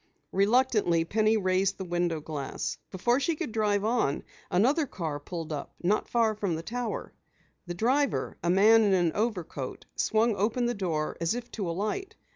Reluctantly, Penny raised the window glass. Before she could drive on, another car pulled up not far from the tower. The driver, a man in an overcoat, swung open the door as if to alight.